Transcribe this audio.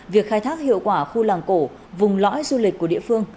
việc khai thác hiệu quả khu làng cổ vùng lõi du lịch của địa phương